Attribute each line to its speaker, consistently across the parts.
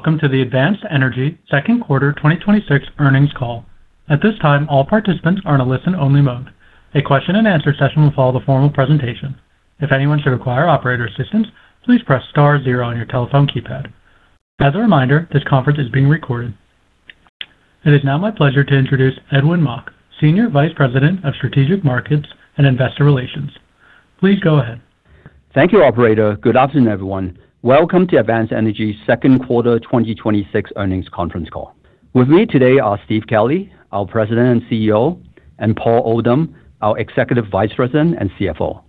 Speaker 1: Welcome to the Advanced Energy Second Quarter 2026 Earnings Call. At this time, all participants are in a listen-only mode. A question and answer session will follow the formal presentation. If anyone should require operator assistance, please press star zero on your telephone keypad. As a reminder, this conference is being recorded. It is now my pleasure to introduce Edwin Mok, Senior Vice President of Strategic Markets and Investor Relations. Please go ahead.
Speaker 2: Thank you, operator. Good afternoon, everyone. Welcome to Advanced Energy's Second Quarter 2026 Earnings Conference Call. With me today are Steve Kelley, our President and CEO, and Paul Oldham, our Executive Vice President and CFO.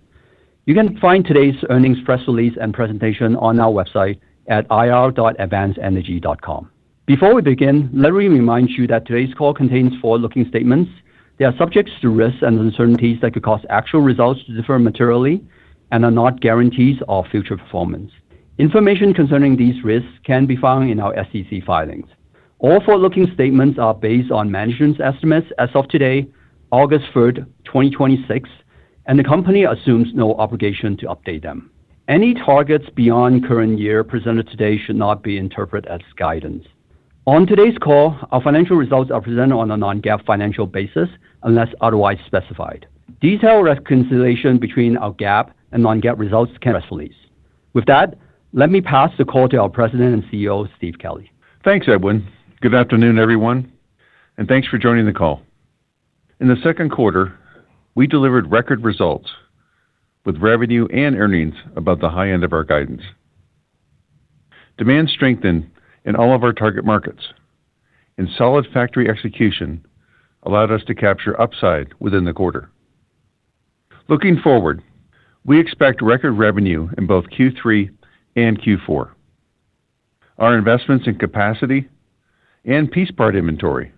Speaker 2: You can find today's earnings press release and presentation on our website at ir.advancedenergy.com. Before we begin, let me remind you that today's call contains forward-looking statements. They are subject to risks and uncertainties that could cause actual results to differ materially and are not guarantees of future performance. Information concerning these risks can be found in our SEC filings. All forward-looking statements are based on management's estimates as of today, August 3rd, 2026, and the company assumes no obligation to update them. Any targets beyond current year presented today should not be interpreted as guidance. On today's call, our financial results are presented on a non-GAAP financial basis, unless otherwise specified. Detailed reconciliation between our GAAP and non-GAAP results can be released. With that, let me pass the call to our President and CEO, Steve Kelley.
Speaker 3: Thanks, Edwin. Good afternoon, everyone, and thanks for joining the call. In the second quarter, we delivered record results with revenue and earnings above the high end of our guidance. Demand strengthened in all of our target markets, and solid factory execution allowed us to capture upside within the quarter. Looking forward, we expect record revenue in both Q3 and Q4. Our investments in capacity and piece part inventory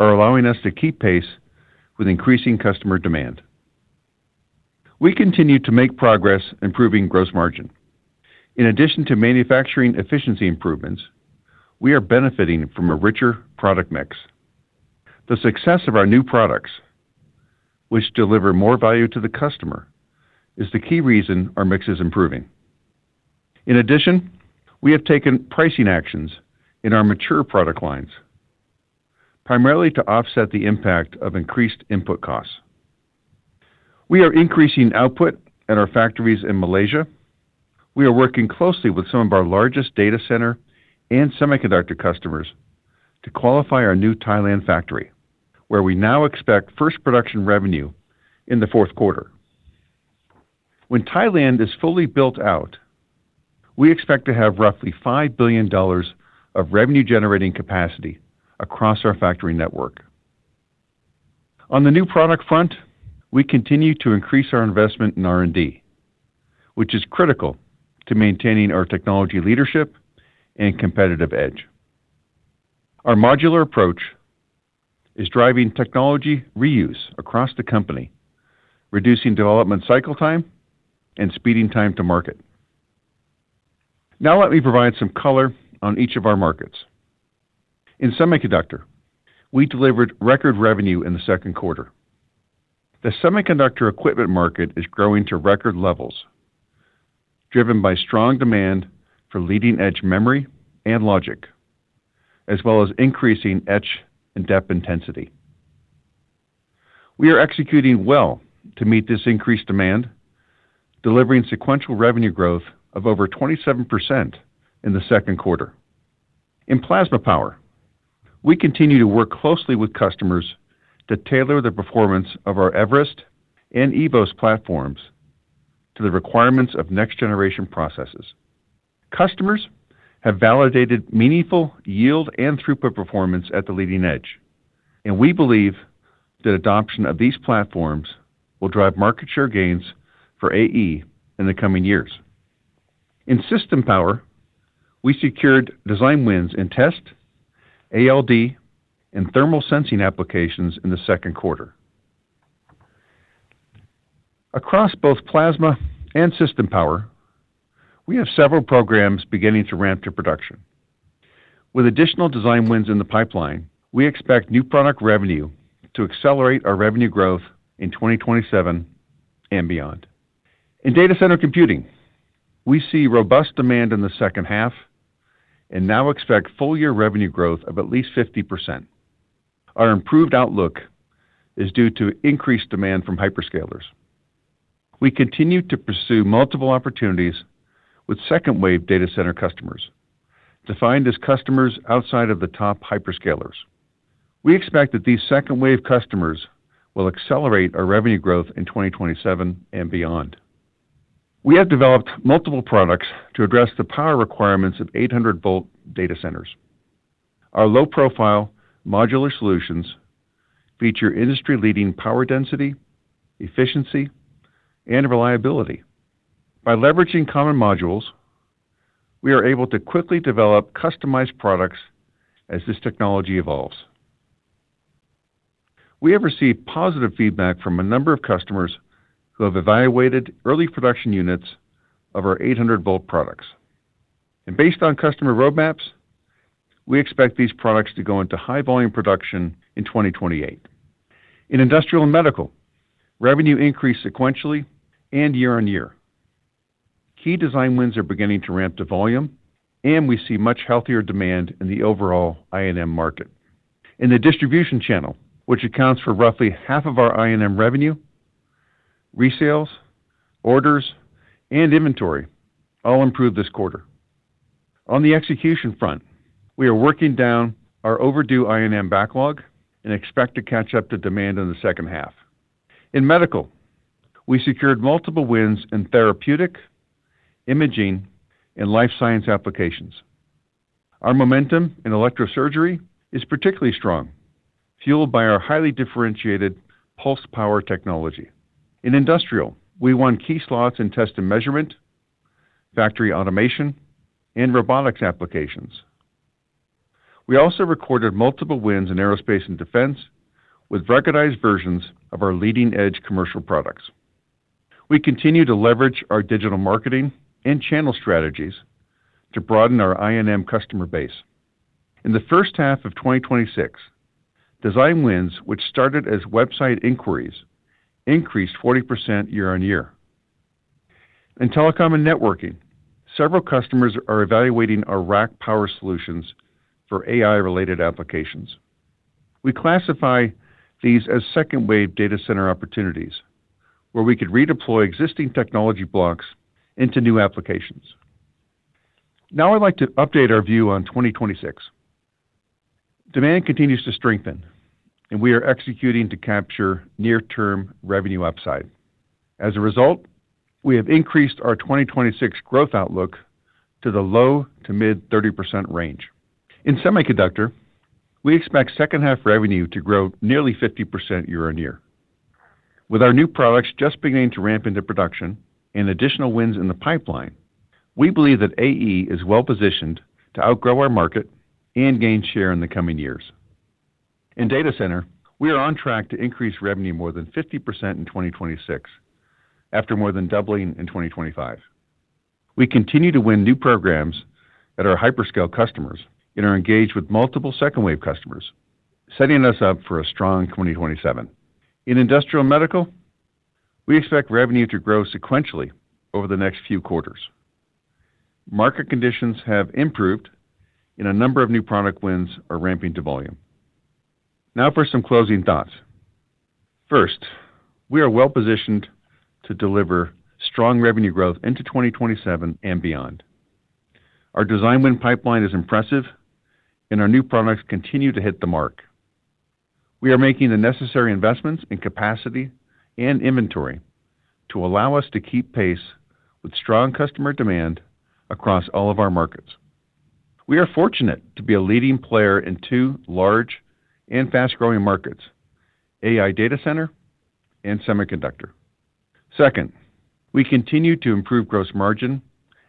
Speaker 3: are allowing us to keep pace with increasing customer demand. We continue to make progress improving gross margin. In addition to manufacturing efficiency improvements, we are benefiting from a richer product mix. The success of our new products, which deliver more value to the customer, is the key reason our mix is improving. In addition, we have taken pricing actions in our mature product lines, primarily to offset the impact of increased input costs. We are increasing output at our factories in Malaysia. We are working closely with some of our largest data center and semiconductor customers to qualify our new Thailand factory, where we now expect first production revenue in the fourth quarter. When Thailand is fully built out, we expect to have roughly $5 billion of revenue-generating capacity across our factory network. On the new product front, we continue to increase our investment in R&D, which is critical to maintaining our technology leadership and competitive edge. Our modular approach is driving technology reuse across the company, reducing development cycle time, and speeding time to market. Now let me provide some color on each of our markets. In semiconductor, we delivered record revenue in the second quarter. The semiconductor equipment market is growing to record levels, driven by strong demand for leading-edge memory and logic, as well as increasing etch and dep intensity. We are executing well to meet this increased demand, delivering sequential revenue growth of over 27% in the second quarter. In plasma power, we continue to work closely with customers to tailor the performance of our eVerest and eVoS platforms to the requirements of next-generation processes. Customers have validated meaningful yield and throughput performance at the leading edge, and we believe that adoption of these platforms will drive market share gains for AE in the coming years. In system power, we secured design wins and test, ALD, and thermal sensing applications in the second quarter. Across both plasma and system power, we have several programs beginning to ramp to production. With additional design wins in the pipeline, we expect new product revenue to accelerate our revenue growth in 2027 and beyond. In data center computing, we see robust demand in the second half and now expect full-year revenue growth of at least 50%. Our improved outlook is due to increased demand from hyperscalers. We continue to pursue multiple opportunities with second-wave data center customers, defined as customers outside of the top hyperscalers. We expect that these second-wave customers will accelerate our revenue growth in 2027 and beyond. We have developed multiple products to address the power requirements of 800-V data centers. Our low-profile modular solutions feature industry-leading power density, efficiency, and reliability. By leveraging common modules, we are able to quickly develop customized products as this technology evolves. We have received positive feedback from a number of customers who have evaluated early production units of our 800-V products. Based on customer roadmaps, we expect these products to go into high volume production in 2028. In industrial and medical, revenue increased sequentially and year-on-year. Key design wins are beginning to ramp to volume, and we see much healthier demand in the overall I&M market. In the distribution channel, which accounts for roughly half of our I&M revenue, resales, orders, and inventory all improved this quarter. On the execution front, we are working down our overdue I&M backlog and expect to catch up to demand in the second half. In medical, we secured multiple wins in therapeutic, imaging, and life science applications. Our momentum in electrosurgery is particularly strong, fueled by our highly differentiated pulse power technology. In industrial, we won key slots in test and measurement, factory automation, and robotics applications. We also recorded multiple wins in aerospace and defense with recognized versions of our leading-edge commercial products. We continue to leverage our digital marketing and channel strategies to broaden our I&M customer base. In the first half of 2026, design wins, which started as website inquiries, increased 40% year-on-year. In Telecom and Networking, several customers are evaluating our rack power solutions for AI-related applications. We classify these as second-wave data center opportunities, where we could redeploy existing technology blocks into new applications. I'd like to update our view on 2026. Demand continues to strengthen, and we are executing to capture near-term revenue upside. As a result, we have increased our 2026 growth outlook to the low to mid 30% range. In semiconductor, we expect second half revenue to grow nearly 50% year-on-year. With our new products just beginning to ramp into production and additional wins in the pipeline, we believe that AE is well-positioned to outgrow our market and gain share in the coming years. In data center, we are on track to increase revenue more than 50% in 2026 after more than doubling in 2025. We continue to win new programs at our hyperscale customers and are engaged with multiple second-wave customers, setting us up for a strong 2027. In Industrial and Medical, we expect revenue to grow sequentially over the next few quarters. Market conditions have improved, and a number of new product wins are ramping to volume. For some closing thoughts. We are well-positioned to deliver strong revenue growth into 2027 and beyond. Our design win pipeline is impressive, and our new products continue to hit the mark. We are making the necessary investments in capacity and inventory to allow us to keep pace with strong customer demand across all of our markets. We are fortunate to be a leading player in two large and fast-growing markets, AI data center and semiconductor. We continue to improve gross margin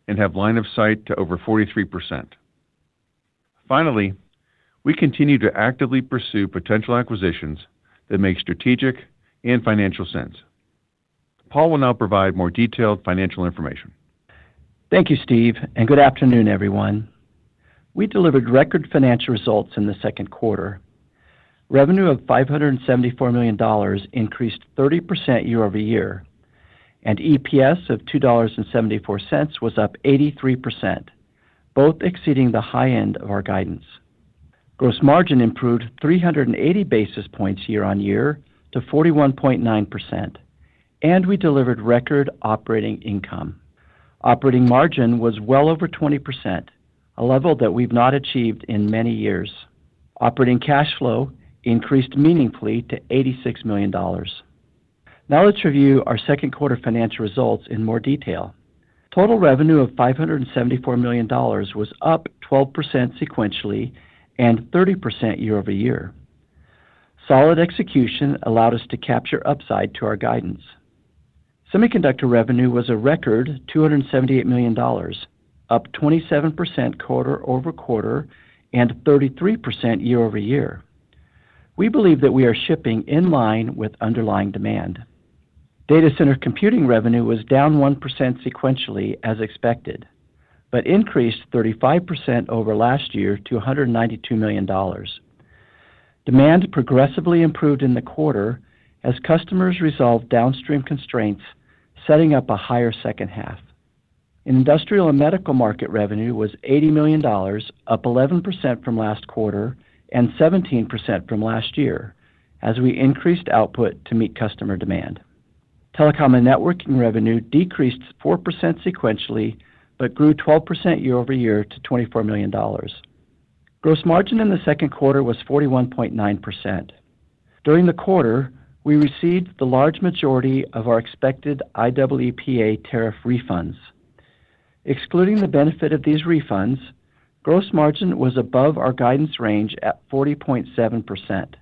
Speaker 3: and have line of sight to over 43%. We continue to actively pursue potential acquisitions that make strategic and financial sense. Paul will now provide more detailed financial information.
Speaker 4: Thank you, Steve, good afternoon, everyone. We delivered record financial results in the second quarter. Revenue of $574 million increased 30% year-over-year, EPS of $2.74 was up 83%, both exceeding the high end of our guidance. Gross margin improved 380 basis points year-on-year to 41.9%, we delivered record operating income. Operating margin was well over 20%, a level that we've not achieved in many years. Operating cash flow increased meaningfully to $86 million. Let's review our second quarter financial results in more detail. Total revenue of $574 million was up 12% sequentially and 30% year-over-year. Solid execution allowed us to capture upside to our guidance. Semiconductor revenue was a record $278 million, up 27% quarter-over-quarter and 33% year-over-year. We believe that we are shipping in line with underlying demand. Data Center Computing revenue was down 1% sequentially as expected but increased 35% over last year to $192 million. Demand progressively improved in the quarter as customers resolved downstream constraints, setting up a higher second half. In Industrial and Medical market revenue was $80 million, up 11% from last quarter and 17% from last year, as we increased output to meet customer demand. Telecom and Networking revenue decreased 4% sequentially but grew 12% year-over-year to $24 million. Gross margin in the second quarter was 41.9%. During the quarter, we received the large majority of our expected IEEPA tariff refunds. Excluding the benefit of these refunds, gross margin was above our guidance range at 40.7%,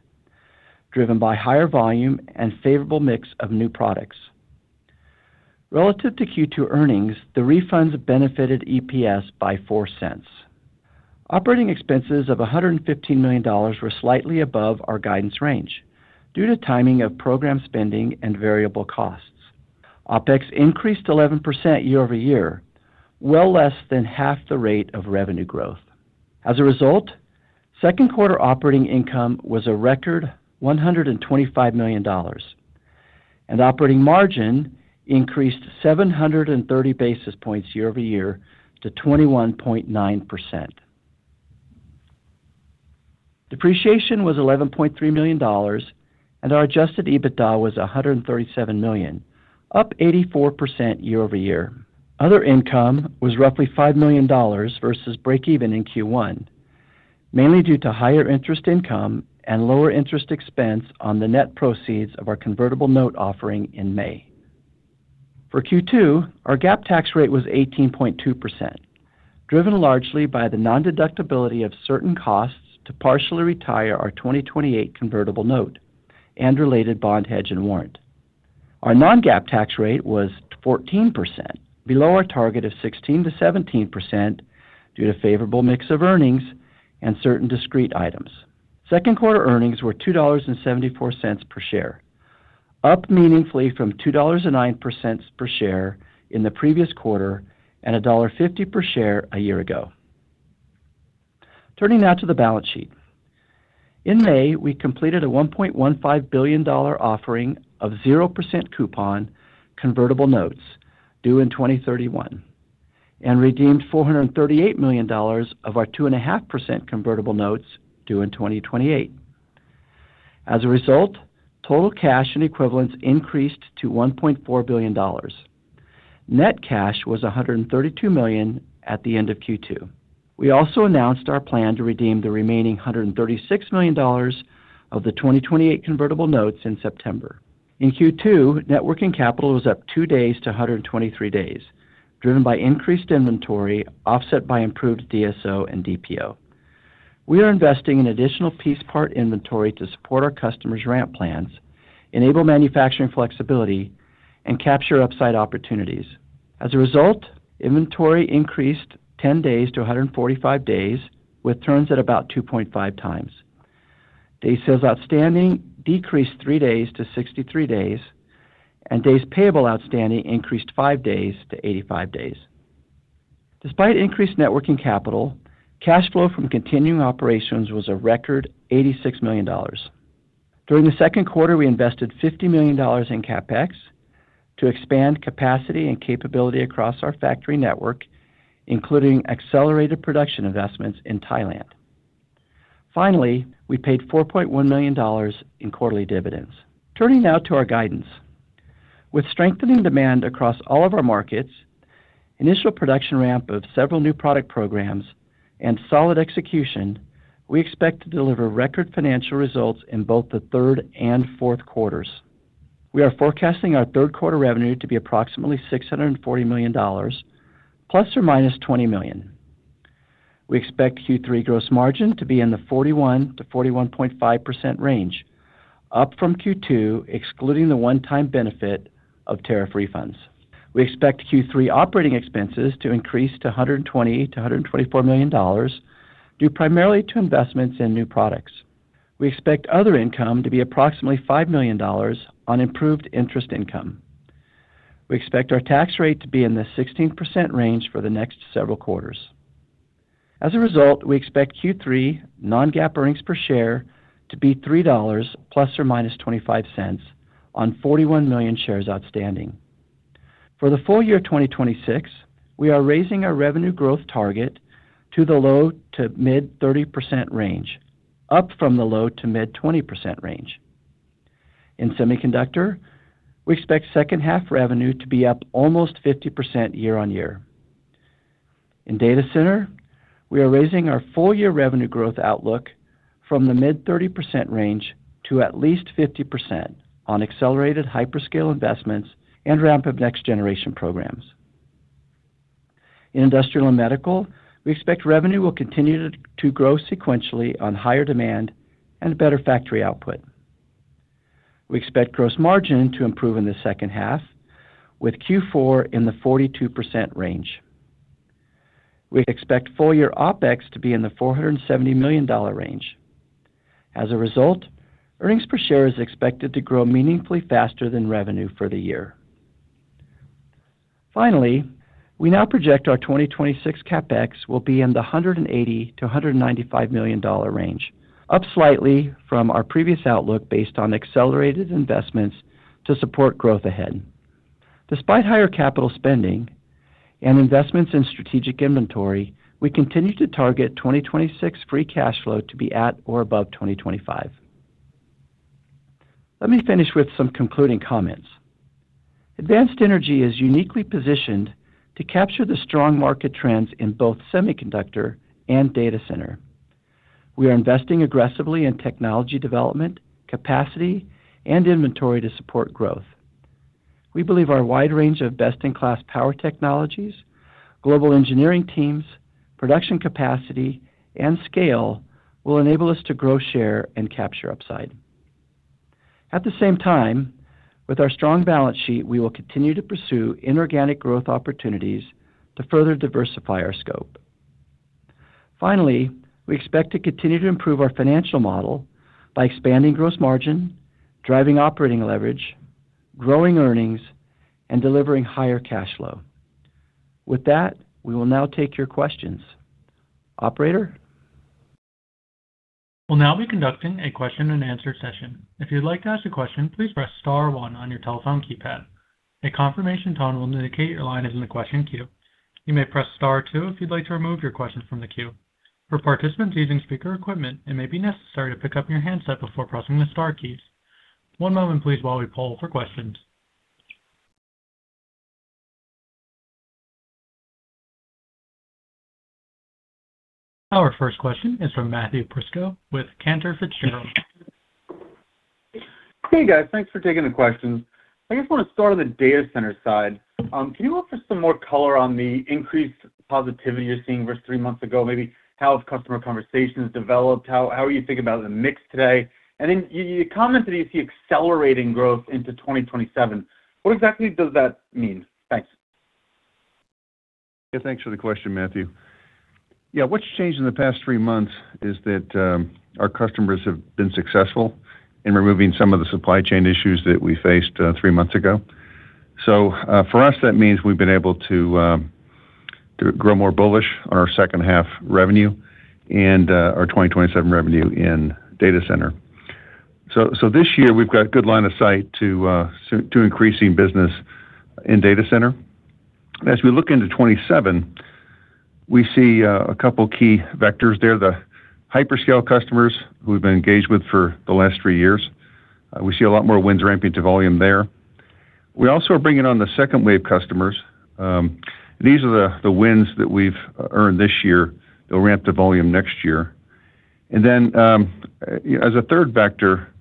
Speaker 4: driven by higher volume and favorable mix of new products. Relative to Q2 earnings, the refunds benefited EPS by $0.04. Operating expenses of $115 million were slightly above our guidance range due to timing of program spending and variable costs. OpEx increased 11% year-over-year. Well less than half the rate of revenue growth. As a result, second quarter operating income was a record $125 million, and operating margin increased 730 basis points year-over-year to 21.9%. Depreciation was $11.3 million, and our adjusted EBITDA was $137 million, up 84% year-over-year. Other income was roughly $5 million versus breakeven in Q1, mainly due to higher interest income and lower interest expense on the net proceeds of our convertible note offering in May. For Q2, our GAAP tax rate was 18.2%, driven largely by the non-deductibility of certain costs to partially retire our 2028 convertible note and related bond hedge and warrant. Our non-GAAP tax rate was 14%, below our target of 16%-17% due to favorable mix of earnings and certain discrete items. Second quarter earnings were $2.74 per share, up meaningfully from $2.09 per share in the previous quarter and $1.50 per share a year ago. Turning now to the balance sheet. In May, we completed a $1.15 billion offering of 0% coupon Convertible Notes due in 2031 and redeemed $438 million of our 2.5% Convertible Notes due in 2028. As a result, total cash and equivalents increased to $1.4 billion. Net cash was $132 million at the end of Q2. We also announced our plan to redeem the remaining $136 million of the 2028 Convertible Notes in September. In Q2, networking capital was up two days to 123 days, driven by increased inventory offset by improved DSO and DPO. We are investing in additional piece part inventory to support our customers' ramp plans, enable manufacturing flexibility, and capture upside opportunities. As a result, inventory increased 10 days to 145 days, with turns at about 2.5x. Days sales outstanding decreased three days to 63 days, and days payable outstanding increased five days to 85 days. Despite increased networking capital, cash flow from continuing operations was a record $86 million. During the second quarter, we invested $50 million in CapEx to expand capacity and capability across our factory network, including accelerated production investments in Thailand. Finally, we paid $4.1 million in quarterly dividends. Turning now to our guidance. With strengthening demand across all of our markets, initial production ramp of several new product programs, and solid execution, we expect to deliver record financial results in both the third and fourth quarters. We are forecasting our third quarter revenue to be approximately $640 million ±$20 million. We expect Q3 gross margin to be in the 41%-41.5% range, up from Q2, excluding the one-time benefit of tariff refunds. We expect Q3 operating expenses to increase to $120 million-$124 million due primarily to investments in new products. We expect other income to be approximately $5 million on improved interest income. We expect our tax rate to be in the 16% range for the next several quarters. As a result, we expect Q3 non-GAAP earnings per share to be $3 ±$0.25 on 41 million shares outstanding. For the full year 2026, we are raising our revenue growth target to the low to mid 30% range, up from the low to mid 20% range. In Semiconductor, we expect second half revenue to be up almost 50% year-over-year. In Data Center, we are raising our full year revenue growth outlook from the mid 30% range to at least 50% on accelerated hyperscale investments and ramp of next generation programs. In Industrial and Medical, we expect revenue will continue to grow sequentially on higher demand and better factory output. We expect gross margin to improve in the second half with Q4 in the 42% range. We expect full year OpEx to be in the $470 million range. As a result, earnings per share is expected to grow meaningfully faster than revenue for the year. Finally, we now project our 2026 CapEx will be in the $180 million-$195 million range, up slightly from our previous outlook based on accelerated investments to support growth ahead. Despite higher capital spending and investments in strategic inventory, we continue to target 2026 free cash flow to be at or above 2025. Let me finish with some concluding comments. Advanced Energy is uniquely positioned to capture the strong market trends in both Semiconductor and Data Center. We are investing aggressively in technology development, capacity, and inventory to support growth. We believe our wide range of best-in-class power technologies, global engineering teams, production capacity, and scale will enable us to grow share and capture upside. At the same time, with our strong balance sheet, we will continue to pursue inorganic growth opportunities to further diversify our scope. Finally, we expect to continue to improve our financial model by expanding gross margin, driving operating leverage, growing earnings, and delivering higher cash flow. With that, we will now take your questions. Operator?
Speaker 1: We'll now be conducting a question and answer session. If you'd like to ask a question, please press star one on your telephone keypad. A confirmation tone will indicate your line is in the question queue. You may press star two if you'd like to remove your question from the queue. For participants using speaker equipment, it may be necessary to pick up your handset before pressing the star keys. One moment please while we poll for questions. Our first question is from Matthew Prisco with Cantor Fitzgerald.
Speaker 5: Hey, guys. Thanks for taking the questions. I just want to start on the Data Center Computing side. Can you offer some more color on the increased positivity you're seeing versus three months ago? Maybe how have customer conversations developed? How are you thinking about the mix today? You commented that you see accelerating growth into 2027. What exactly does that mean? Thanks.
Speaker 3: Thanks for the question, Matthew. What's changed in the past three months is that our customers have been successful in removing some of the supply chain issues that we faced three months ago. For us, that means we've been able to grow more bullish on our second half revenue and our 2027 revenue in Data Center Computing. So this year we've got a good line of sight to increasing business in Data Center. As we look into 2027, we see a couple key vectors there. The hyperscale customers who we've been engaged with for the last three years, we see a lot more wins ramping to volume there. We also are bringing on the second wave customers. These are the wins that we've earned this year that'll ramp to volume next year. As a third vector,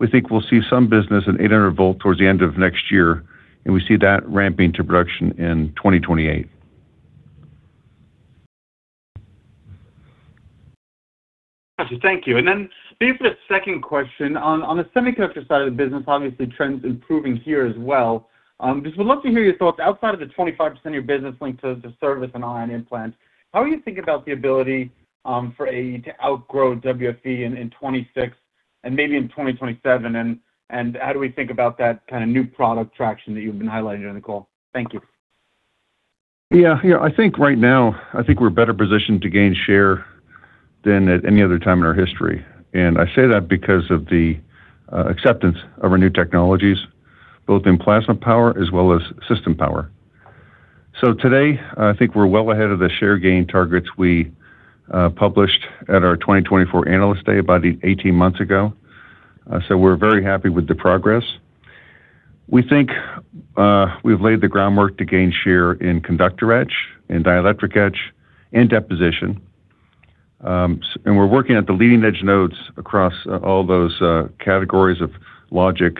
Speaker 3: we think we'll see some business in 800 V towards the end of next year, and we see that ramping to production in 2028.
Speaker 5: Gotcha. Thank you. Maybe for the second question, on the Semiconductor Equipment side of the business, obviously trends improving here as well. Just would love to hear your thoughts outside of the 25% of your business linked to service and ion implant, how are you thinking about the ability for AE to outgrow WFE in 2026 and maybe in 2027, and how do we think about that kind of new product traction that you've been highlighting on the call? Thank you.
Speaker 3: Yeah. I think right now, we're better positioned to gain share than at any other time in our history. I say that because of the acceptance of our new technologies, both in plasma power as well as system power. Today, I think we're well ahead of the share gain targets we published at our 2024 Analyst Day about 18 months ago. We're very happy with the progress. We think we've laid the groundwork to gain share in conductor etch, in dielectric etch, and deposition. We're working at the leading-edge nodes across all those categories of logic,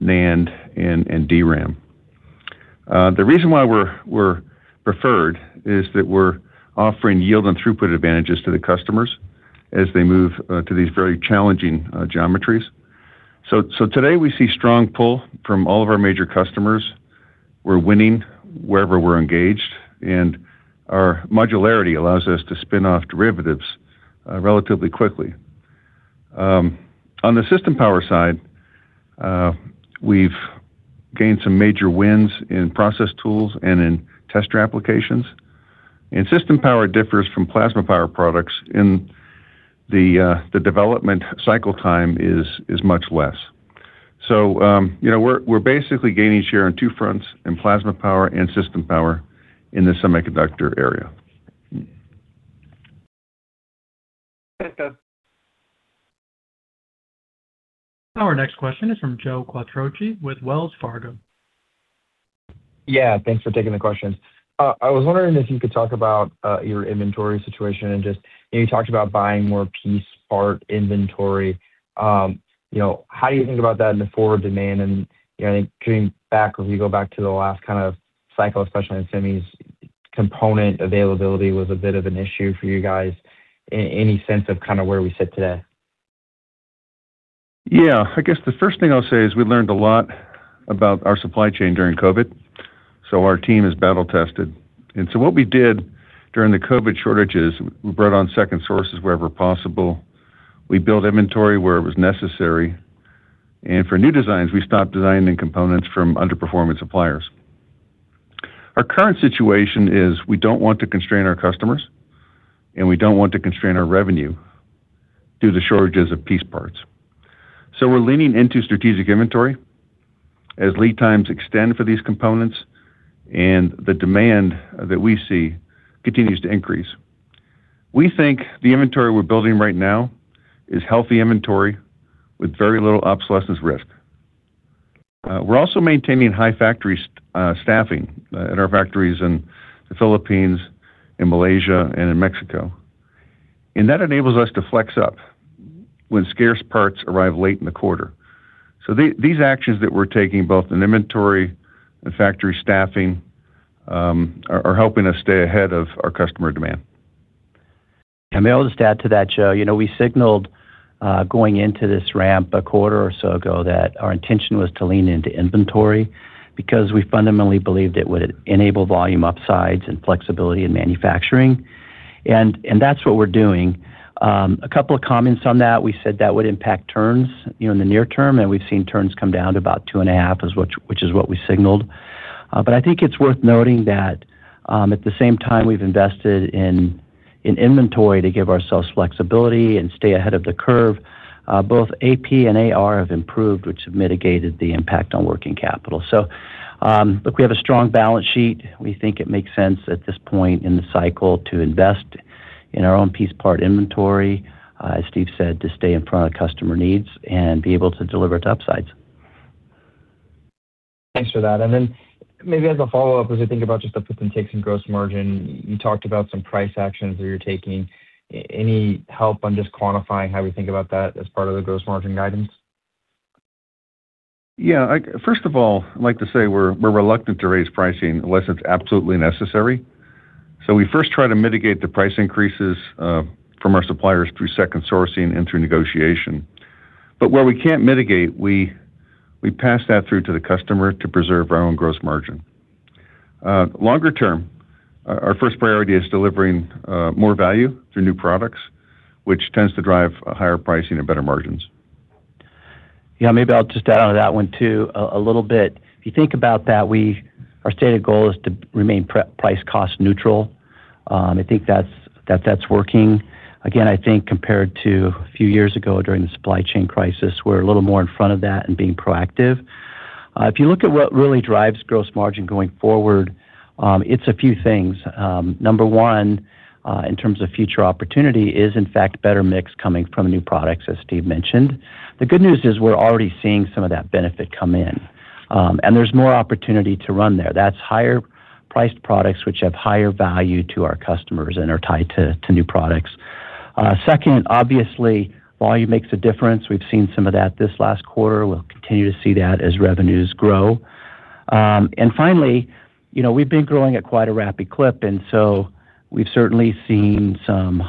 Speaker 3: NAND, and DRAM. The reason why we're preferred is that we're offering yield and throughput advantages to the customers as they move to these very challenging geometries. Today, we see strong pull from all of our major customers. We're winning wherever we're engaged, and our modularity allows us to spin off derivatives relatively quickly. On the system power side, we've gained some major wins in process tools and in tester applications. System power differs from plasma power products, and the development cycle time is much less. We're basically gaining share on two fronts, in plasma power and system power in the semiconductor area.
Speaker 5: Thanks, guys.
Speaker 1: Our next question is from Joe Quatrochi with Wells Fargo.
Speaker 6: Yeah, thanks for taking the questions. I was wondering if you could talk about your inventory situation and just, you talked about buying more piece part inventory. How do you think about that in the forward demand? I think coming back, as we go back to the last kind of cycle, especially in semis, component availability was a bit of an issue for you guys. Any sense of kind of where we sit today?
Speaker 3: Yeah. I guess the first thing I'll say is we learned a lot about our supply chain during COVID, so our team is battle tested. What we did during the COVID shortages, we brought on second sources wherever possible. We built inventory where it was necessary, and for new designs, we stopped designing components from underperforming suppliers. Our current situation is we don't want to constrain our customers, and we don't want to constrain our revenue due to shortages of piece parts. We're leaning into strategic inventory as lead times extend for these components and the demand that we see continues to increase. We think the inventory we're building right now is healthy inventory with very little obsolescence risk. We're also maintaining high factory staffing at our factories in the Philippines, in Malaysia, and in Mexico, and that enables us to flex up when scarce parts arrive late in the quarter. These actions that we're taking, both in inventory and factory staffing, are helping us stay ahead of our customer demand.
Speaker 4: May I just add to that, Joe, we signaled going into this ramp a quarter or so ago, our intention was to lean into inventory because we fundamentally believed it would enable volume upsides and flexibility in manufacturing, and that's what we're doing. A couple of comments on that. We said that would impact turns in the near term, and we've seen turns come down to about two and a half, which is what we signaled. I think it's worth noting that at the same time, we've invested in inventory to give ourselves flexibility and stay ahead of the curve. Both AP and AR have improved, which have mitigated the impact on working capital. Look, we have a strong balance sheet. We think it makes sense at this point in the cycle to invest in our own piece part inventory, as Steve said, to stay in front of customer needs and be able to deliver to upsides.
Speaker 6: Thanks for that. Maybe as a follow-up, as we think about just the puts and takes in gross margin, you talked about some price actions that you're taking. Any help on just quantifying how we think about that as part of the gross margin guidance?
Speaker 3: First of all, I'd like to say we're reluctant to raise pricing unless it's absolutely necessary. We first try to mitigate the price increases from our suppliers through second sourcing and through negotiation. Where we can't mitigate, we pass that through to the customer to preserve our own gross margin. Longer term, our first priority is delivering more value through new products, which tends to drive higher pricing and better margins.
Speaker 4: Maybe I'll just add onto that one too a little bit. If you think about that, our stated goal is to remain price cost neutral. I think that's working. Again, I think compared to a few years ago during the supply chain crisis, we're a little more in front of that and being proactive. If you look at what really drives gross margin going forward, it's a few things. Number one, in terms of future opportunity is in fact better mix coming from new products, as Steve mentioned. The good news is we're already seeing some of that benefit come in. There's more opportunity to run there. That's higher priced products, which have higher value to our customers and are tied to new products. Obviously, volume makes a difference. We've seen some of that this last quarter. We'll continue to see that as revenues grow. Finally, we've been growing at quite a rapid clip, we've certainly seen some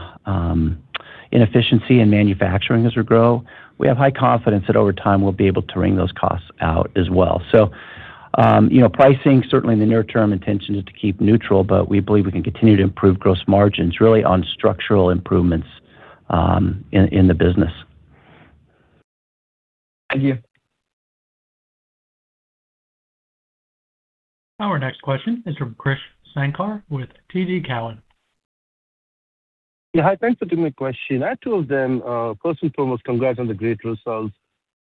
Speaker 4: inefficiency in manufacturing as we grow. We have high confidence that over time we'll be able to wring those costs out as well. Pricing certainly in the near term intention is to keep neutral, but we believe we can continue to improve gross margins really on structural improvements in the business.
Speaker 6: Thank you.
Speaker 1: Our next question is from Krish Sankar with TD Cowen.
Speaker 7: Hi, thanks for taking my question. I have two of them. First and foremost, congrats on the great results.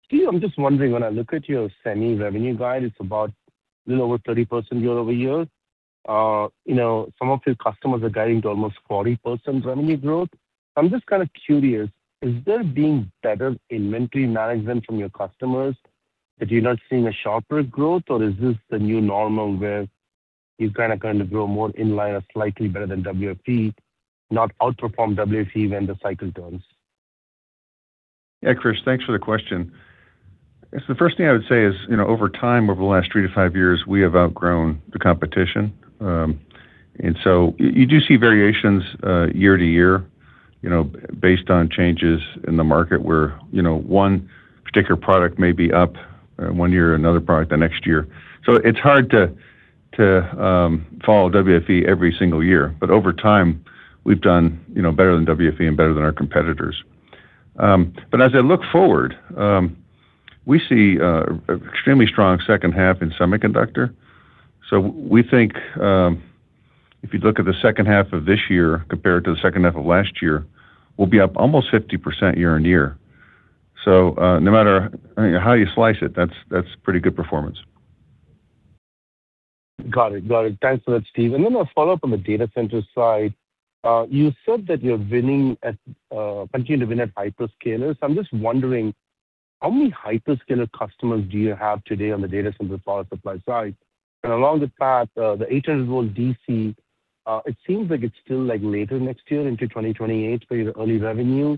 Speaker 7: Steve, I'm just wondering, when I look at your semi-revenue guide, it's about a little over 30% year-over-year. Some of your customers are guiding to almost 40% revenue growth. I'm just kind of curious, is there being better inventory management from your customers that you're not seeing a sharper growth, or is this the new normal where you're kind of going to grow more in line or slightly better than WFE, not outperform WFE when the cycle turns?
Speaker 3: Krish, thanks for the question. I guess the first thing I would say is, over time, over the last three to five years, we have outgrown the competition. You do see variations year-over-year, based on changes in the market where one particular product may be up one year, another product the next year. It's hard to follow WFE every single year, but over time, we've done better than WFE and better than our competitors. As I look forward, we see extremely strong second half in Semiconductor. We think, if you look at the second half of this year compared to the second half of last year, we'll be up almost 50% year-over-year. No matter how you slice it, that's pretty good performance.
Speaker 7: Got it. Thanks for that, Steve. A follow-up on the data center side. You said that you're continuing to win at hyperscalers. I'm just wondering, how many hyperscaler customers do you have today on the data center power supply side? Along the path, the 800-V DC, it seems like it's still later next year into 2028 for your early revenue.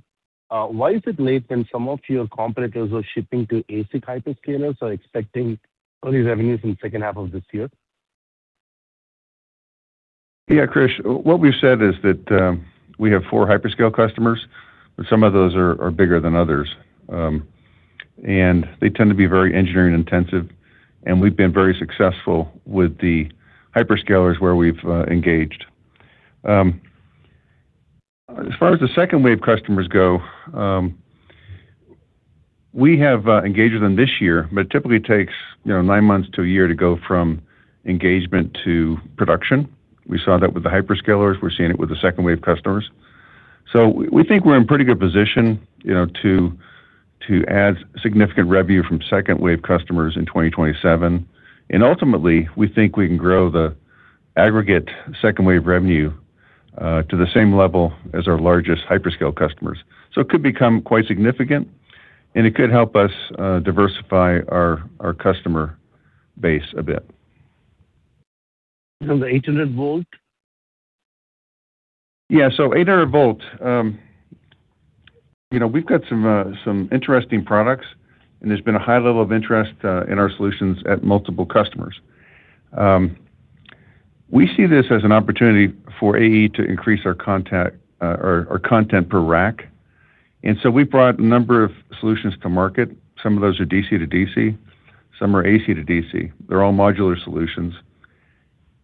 Speaker 7: Why is it late when some of your competitors are shipping to ASIC hyperscalers, are expecting early revenues in second half of this year?
Speaker 3: Krish. What we've said is that we have four hyperscale customers, but some of those are bigger than others. They tend to be very engineering intensive, and we've been very successful with the hyperscalers where we've engaged. As far as the second wave customers go, we have engaged with them this year, but it typically takes nine months to a year to go from engagement to production. We saw that with the hyperscalers. We're seeing it with the second wave customers. We think we're in pretty good position to add significant revenue from second wave customers in 2027. Ultimately, we think we can grow the aggregate second wave revenue to the same level as our largest hyperscale customers. It could become quite significant, and it could help us diversify our customer base a bit.
Speaker 7: The 800 V?
Speaker 3: Yeah. 800 V. We've got some interesting products, and there's been a high level of interest in our solutions at multiple customers. We see this as an opportunity for AE to increase our content per rack. We've brought a number of solutions to market. Some of those are DC-to-DC, some are AC-to-DC. They're all modular solutions,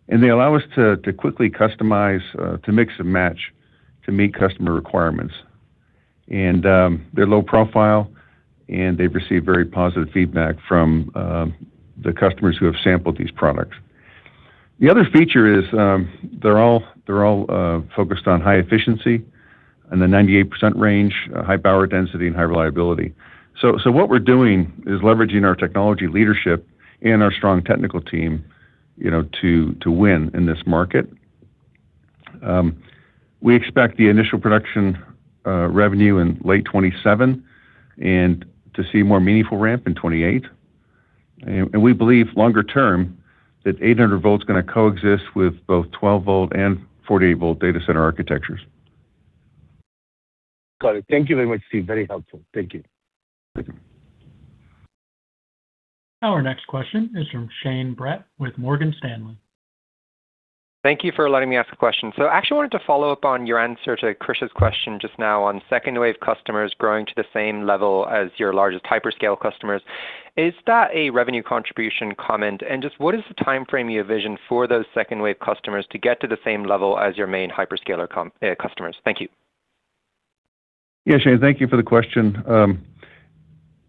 Speaker 3: and they allow us to quickly customize, to mix and match to meet customer requirements. They're low profile, and they've received very positive feedback from the customers who have sampled these products. The other feature is they're all focused on high efficiency in the 98% range, high power density, and high reliability. What we're doing is leveraging our technology leadership and our strong technical team to win in this market. We expect the initial production revenue in late 2027 and to see more meaningful ramp in 2028. We believe longer term that 800 V is going to coexist with both 12 V and 48 V data center architectures.
Speaker 7: Got it. Thank you very much, Steve. Very helpful. Thank you.
Speaker 3: Thank you.
Speaker 1: Our next question is from Shane Brett with Morgan Stanley.
Speaker 8: Thank you for letting me ask a question. I actually wanted to follow up on your answer to Krish's question just now on second-wave customers growing to the same level as your largest hyperscale customers. Is that a revenue contribution comment, and just what is the timeframe you envision for those second-wave customers to get to the same level as your main hyperscaler customers? Thank you.
Speaker 3: Shane. Thank you for the question.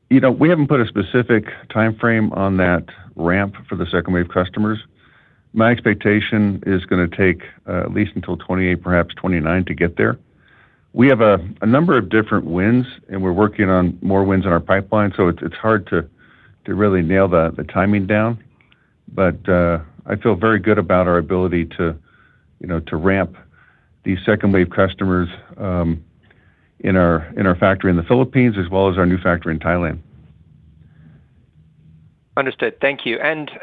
Speaker 3: We haven't put a specific timeframe on that ramp for the second-wave customers. My expectation is it's going to take at least until 2028, perhaps 2029 to get there. We have a number of different wins, and we're working on more wins in our pipeline, it's hard to really nail the timing down. I feel very good about our ability to ramp these second-wave customers in our factory in the Philippines as well as our new factory in Thailand.
Speaker 8: Understood. Thank you.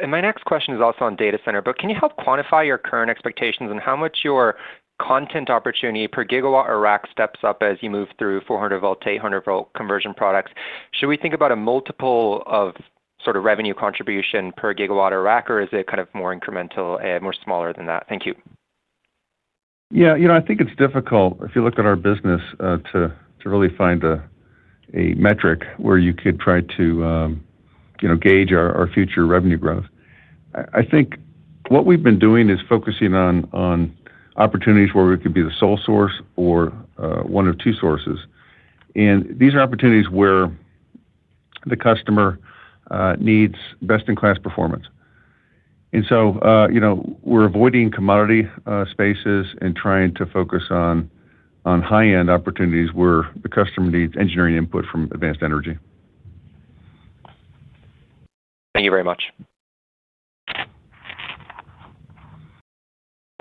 Speaker 8: My next question is also on data center, can you help quantify your current expectations and how much your content opportunity per gigawatt or rack steps up as you move through 400-V to 800-V conversion products? Should we think about a multiple of sort of revenue contribution per gigawatt or rack, or is it kind of more incremental and more smaller than that? Thank you.
Speaker 3: Yeah. I think it's difficult, if you look at our business, to really find a metric where you could try to gauge our future revenue growth. I think what we've been doing is focusing on opportunities where we could be the sole source or one of two sources. These are opportunities where the customer needs best-in-class performance. We're avoiding commodity spaces and trying to focus on high-end opportunities where the customer needs engineering input from Advanced Energy.
Speaker 8: Thank you very much.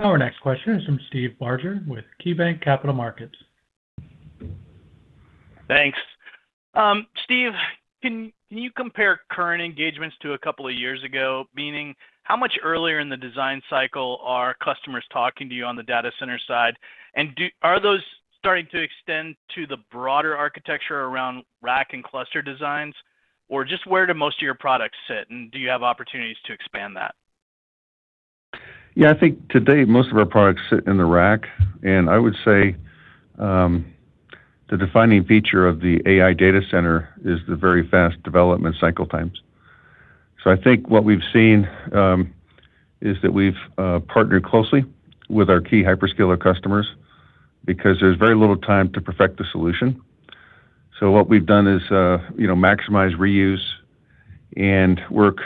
Speaker 1: Our next question is from Steve Barger with KeyBanc Capital Markets.
Speaker 9: Thanks. Steve, can you compare current engagements to a couple of years ago? Meaning, how much earlier in the design cycle are customers talking to you on the data center side? Are those starting to extend to the broader architecture around rack and cluster designs? Just where do most of your products sit, and do you have opportunities to expand that?
Speaker 3: Yeah, I think today, most of our products sit in the rack, and I would say, the defining feature of the AI data center is the very fast development cycle times. I think what we've seen is that we've partnered closely with our key hyperscaler customers, because there's very little time to perfect the solution. What we've done is maximize reuse and work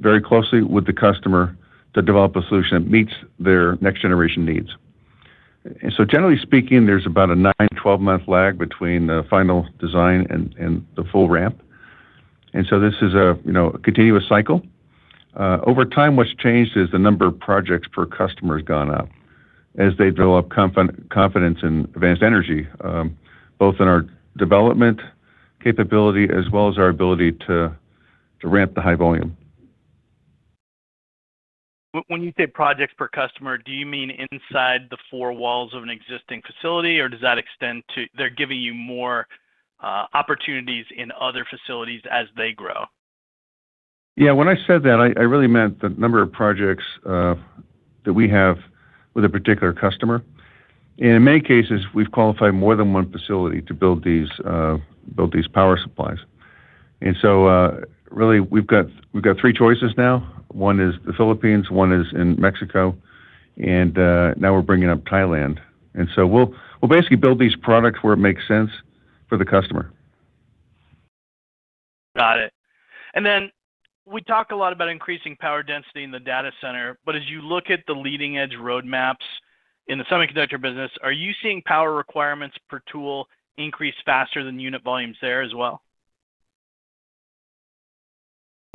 Speaker 3: very closely with the customer to develop a solution that meets their next-generation needs. Generally speaking, there's about a 9-to-12-month lag between the final design and the full ramp. This is a continuous cycle. Over time, what's changed is the number of projects per customer has gone up as they develop confidence in Advanced Energy, both in our development capability as well as our ability to ramp to high volume.
Speaker 9: When you say projects per customer, do you mean inside the four walls of an existing facility, or does that extend to they're giving you more opportunities in other facilities as they grow?
Speaker 3: Yeah. When I said that, I really meant the number of projects that we have with a particular customer. In many cases, we've qualified more than one facility to build these power supplies. Really we've got three choices now. One is the Philippines, one is in Mexico, and now we're bringing up Thailand. We'll basically build these products where it makes sense for the customer.
Speaker 9: Got it. Then we talk a lot about increasing power density in the data center, as you look at the leading-edge roadmaps in the Semiconductor business, are you seeing power requirements per tool increase faster than unit volumes there as well?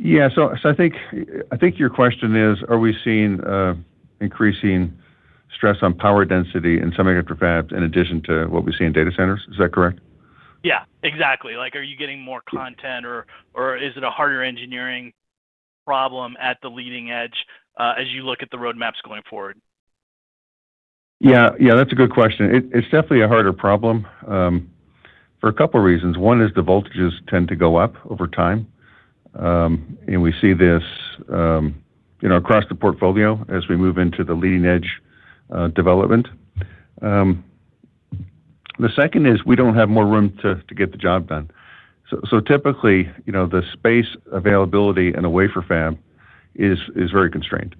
Speaker 3: I think your question is, are we seeing increasing stress on power density in semiconductor fabs in addition to what we see in data centers? Is that correct?
Speaker 9: Yeah, exactly. Are you getting more content or is it a harder engineering problem at the leading edge as you look at the roadmaps going forward?
Speaker 3: Yeah, that's a good question. It's definitely a harder problem for a couple reasons. One is the voltages tend to go up over time. We see this across the portfolio as we move into the leading-edge development. The second is we don't have more room to get the job done. Typically, the space availability in a wafer fab is very constrained.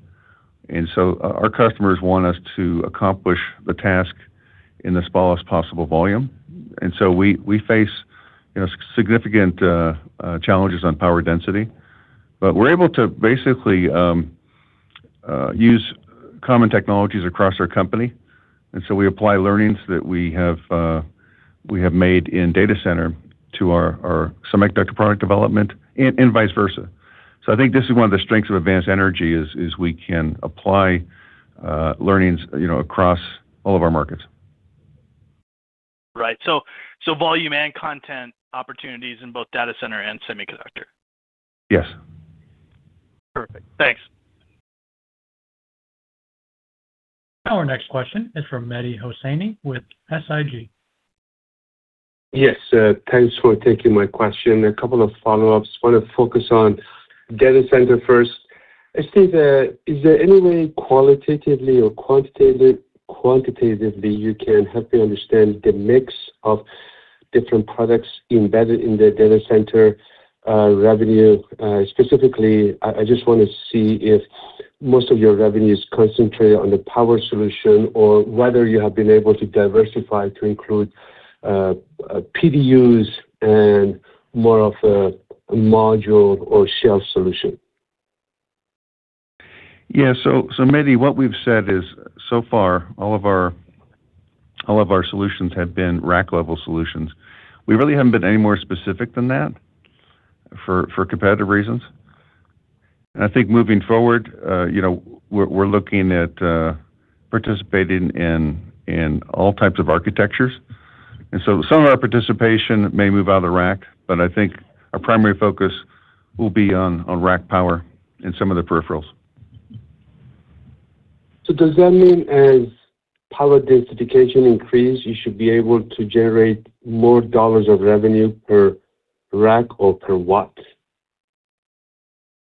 Speaker 3: Our customers want us to accomplish the task in the smallest possible volume. We face significant challenges on power density, but we're able to basically use common technologies across our company, and we apply learnings that we have made in data center to our semiconductor product development and vice versa. I think this is one of the strengths of Advanced Energy, is we can apply learnings across all of our markets.
Speaker 9: Right. Volume and content opportunities in both data center and semiconductor.
Speaker 3: Yes.
Speaker 9: Perfect. Thanks.
Speaker 1: Our next question is from Mehdi Hosseini with SIG.
Speaker 10: Yes. Thanks for taking my question. A couple of follow-ups. Want to focus on Data Center first. Steve, is there any way qualitatively or quantitatively you can help me understand the mix of different products embedded in the Data Center revenue? Specifically, I just want to see if most of your revenue is concentrated on the power solution or whether you have been able to diversify to include, PDUs and more of a module or shelf solution.
Speaker 3: Mehdi, what we've said is, so far, all of our solutions have been rack-level solutions. We really haven't been any more specific than that for competitive reasons. I think moving forward, we're looking at participating in all types of architectures. Some of our participation may move out of the rack, but I think our primary focus will be on rack power and some of the peripherals.
Speaker 10: Does that mean as power densification increase, you should be able to generate more dollars of revenue per rack or per watt?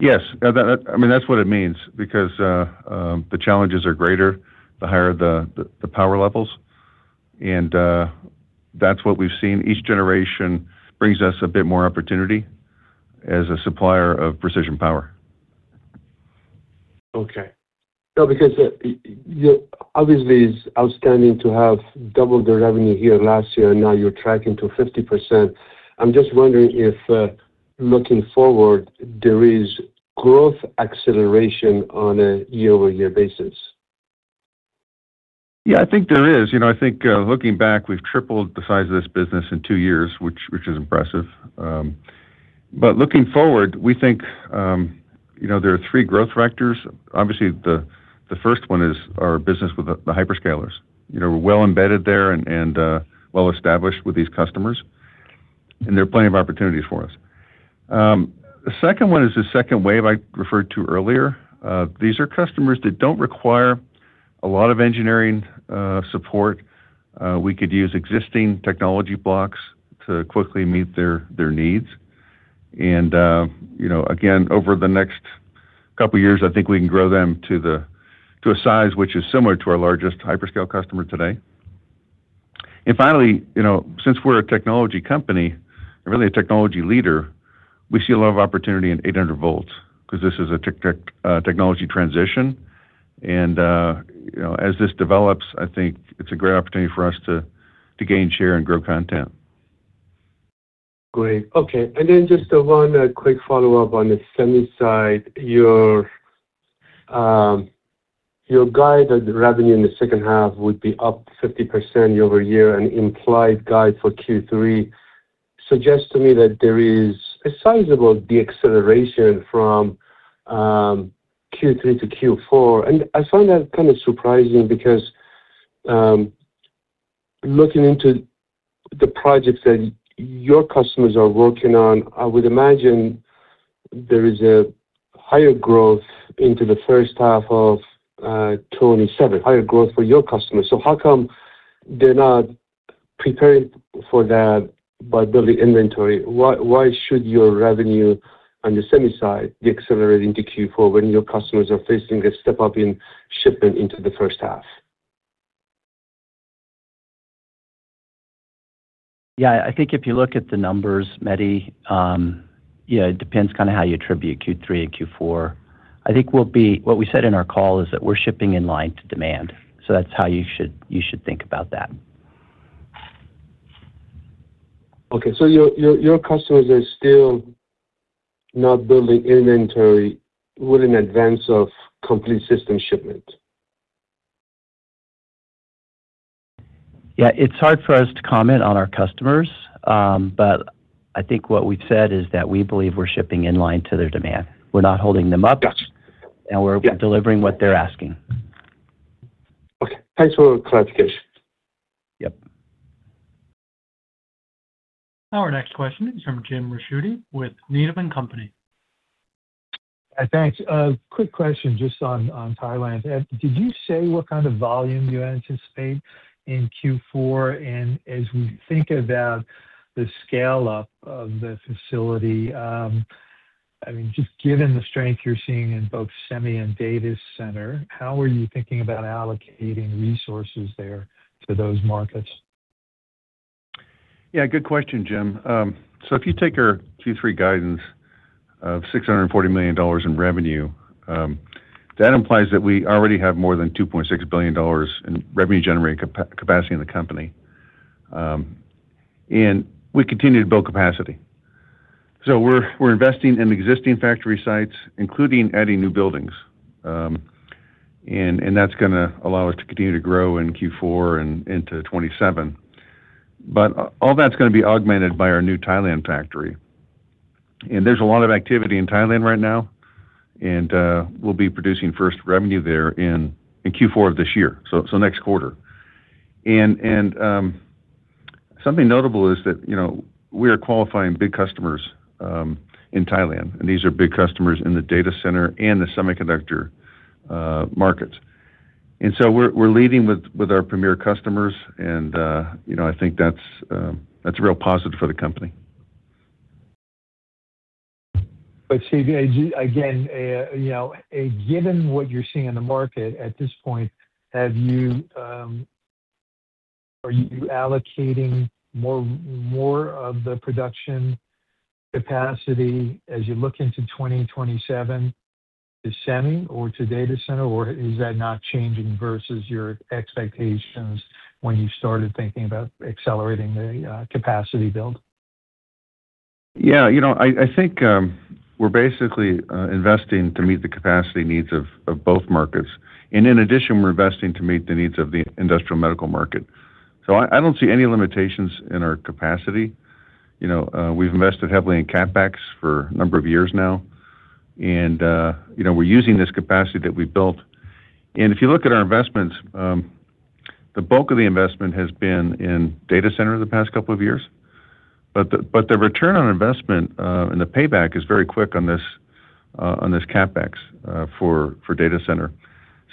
Speaker 3: Yes. That's what it means because the challenges are greater the higher the power levels. That's what we've seen. Each generation brings us a bit more opportunity as a supplier of precision power.
Speaker 10: Because, obviously, it's outstanding to have doubled the revenue year last year, and now you're tracking to 50%. I'm just wondering if, looking forward, there is growth acceleration on a year-over-year basis.
Speaker 3: I think there is. I think, looking back, we've tripled the size of this business in two years, which is impressive. Looking forward, we think there are three growth vectors. Obviously, the first one is our business with the hyperscalers. We're well embedded there and well established with these customers, and there are plenty of opportunities for us. The second one is the second wave I referred to earlier. These are customers that don't require a lot of engineering support. We could use existing technology blocks to quickly meet their needs. Again, over the next couple of years, I think we can grow them to a size which is similar to our largest hyperscale customer today. Finally, since we're a technology company, and really a technology leader, we see a lot of opportunity in 800 V because this is a technology transition. As this develops, I think it's a great opportunity for us to gain share and grow content.
Speaker 10: Great. Okay. Just one quick follow-up on the Semi side. Your guide of the revenue in the second half would be up 50% year-over-year, and implied guide for Q3 suggests to me that there is a sizable deceleration from Q3 to Q4. I find that kind of surprising because looking into the projects that your customers are working on, I would imagine there is a higher growth into the first half of 2027, higher growth for your customers. How come they're not preparing for that by building inventory? Why should your revenue on the Semi side decelerating to Q4 when your customers are facing a step-up in shipment into the first half?
Speaker 4: I think if you look at the numbers, Mehdi, it depends kind of how you attribute Q3 and Q4. I think what we said in our call is that we're shipping in line to demand. That's how you should think about that.
Speaker 10: Okay. Your customers are still not building inventory well in advance of complete system shipment?
Speaker 4: Yeah. It's hard for us to comment on our customers, but I think what we've said is that we believe we're shipping in line to their demand. We're not holding them up-
Speaker 10: Got you
Speaker 4: We're delivering what they're asking.
Speaker 10: Okay. Thanks for the clarification.
Speaker 4: Yep.
Speaker 1: Our next question is from Jim Ricchiuti with Needham & Company.
Speaker 11: Thanks. A quick question just on Thailand. Did you say what kind of volume you anticipate in Q4? As we think about the scale-up of the facility, just given the strength you're seeing in both semi and data center, how are you thinking about allocating resources there to those markets?
Speaker 3: Yeah, good question, Jim. If you take our Q3 guidance of $640 million in revenue, that implies that we already have more than $2.6 billion in revenue-generating capacity in the company. We continue to build capacity. We're investing in existing factory sites, including adding new buildings. That's going to allow us to continue to grow in Q4 and into 2027. All that's going to be augmented by our new Thailand factory. There's a lot of activity in Thailand right now, and we'll be producing first revenue there in Q4 of this year, so next quarter. Something notable is that we are qualifying big customers in Thailand, and these are big customers in the data center and the semiconductor markets. We're leading with our premier customers, and I think that's a real positive for the company.
Speaker 11: Steve, again, given what you're seeing in the market at this point, are you allocating more of the production capacity as you look into 2027 to semi or to data center, or is that not changing versus your expectations when you started thinking about accelerating the capacity build?
Speaker 3: I think we're basically investing to meet the capacity needs of both markets. In addition, we're investing to meet the needs of the Industrial and Medical market. I don't see any limitations in our capacity. We've invested heavily in CapEx for a number of years now, and we're using this capacity that we built. If you look at our investments, the bulk of the investment has been in Data Center the past couple of years, but the return on investment and the payback is very quick on this CapEx for Data Center.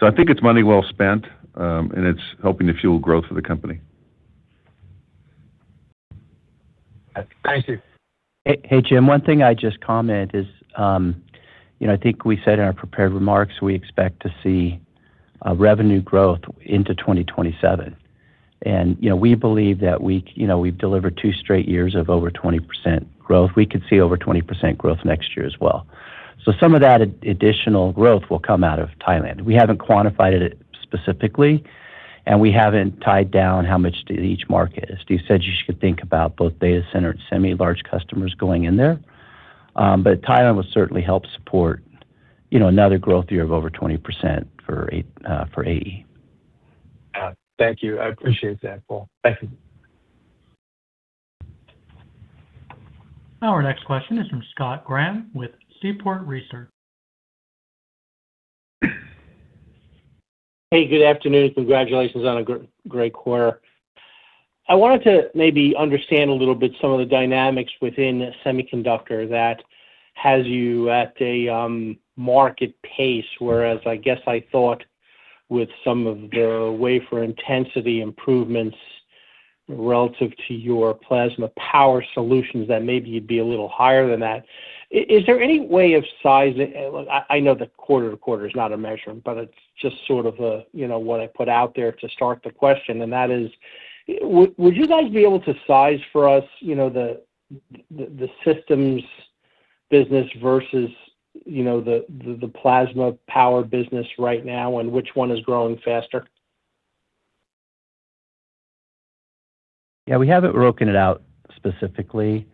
Speaker 3: I think it's money well spent, and it's helping to fuel growth for the company.
Speaker 11: Thank you.
Speaker 4: Hey, Jim, one thing I just comment is, I think we said in our prepared remarks, we expect to see revenue growth into 2027. We believe that we've delivered two straight years of over 20% growth. We could see over 20% growth next year as well. Some of that additional growth will come out of Thailand. We haven't quantified it specifically, and we haven't tied down how much to each market is. Steve said you should think about both Data Center and Semi large customers going in there. Thailand will certainly help support another growth year of over 20% for AE.
Speaker 11: Thank you. I appreciate that, Paul. Thank you.
Speaker 1: Our next question is from Scott Graham with Seaport Research.
Speaker 12: Hey, good afternoon. Congratulations on a great quarter. I wanted to maybe understand a little bit some of the dynamics within semiconductor that has you at a market pace, whereas I guess I thought with some of the wafer intensity improvements relative to your plasma power solutions, that maybe you'd be a little higher than that. Is there any way of sizing— I know the quarter to quarter is not a measurement, but it's just sort of what I put out there to start the question, and that is: Would you guys be able to size for us the systems business versus the plasma power business right now and which one is growing faster?
Speaker 4: Yeah. We haven't broken it out specifically,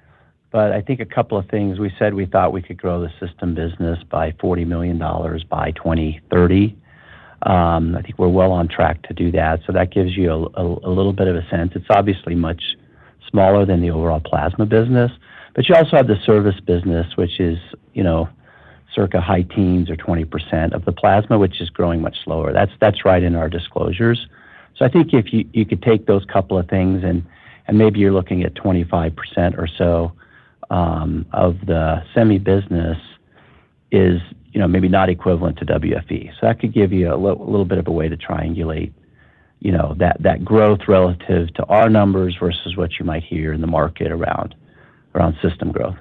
Speaker 4: but I think a couple of things. We said we thought we could grow the system business by $40 million by 2030. I think we're well on track to do that. That gives you a little bit of a sense. It's obviously much smaller than the overall plasma business. You also have the service business, which is circa high teens or 20% of the plasma, which is growing much slower. That's right in our disclosures. I think if you could take those couple of things, and maybe you're looking at 25% or so of the semi business is maybe not equivalent to WFE. That could give you a little bit of a way to triangulate that growth relative to our numbers versus what you might hear in the market around system growth.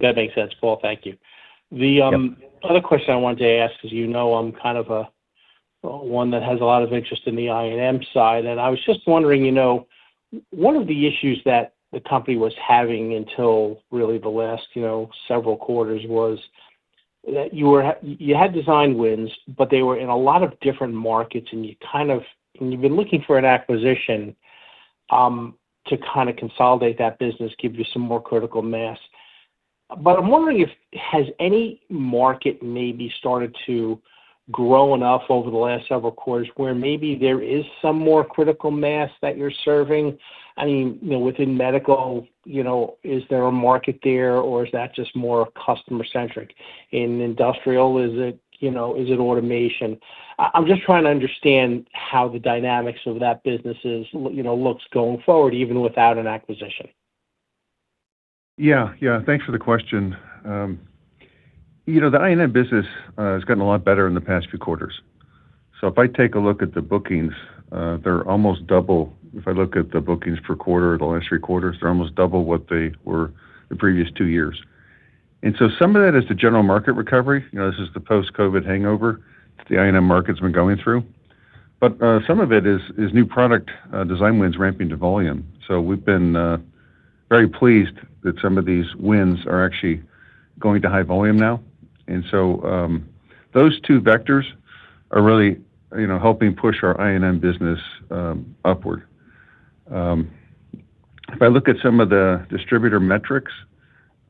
Speaker 12: That makes sense, Paul. Thank you.
Speaker 4: Yep.
Speaker 12: The other question I wanted to ask, as you know I'm kind of one that has a lot of interest in the I&M side, I was just wondering, one of the issues that the company was having until really the last several quarters was that you had design wins, but they were in a lot of different markets, you've been looking for an acquisition to kind of consolidate that business, give you some more critical mass. I'm wondering if has any market maybe started to grow enough over the last several quarters where maybe there is some more critical mass that you're serving? Within medical, is there a market there, or is that just more customer centric? In industrial, is it automation? I'm just trying to understand how the dynamics of that business looks going forward, even without an acquisition.
Speaker 3: Yeah. Thanks for the question. The I&M business has gotten a lot better in the past few quarters. If I take a look at the bookings, they're almost double. If I look at the bookings per quarter, the last three quarters, they're almost double what they were the previous two years. Some of that is the general market recovery. This is the post-COVID hangover that the I&M market's been going through. Some of it is new product design wins ramping to volume. So we've been very pleased that some of these wins are actually going to high volume now. Those two vectors are really helping push our I&M business upward. If I look at some of the distributor metrics,